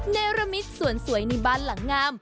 เนรมิตสวนสวยในบ้านหลังงาม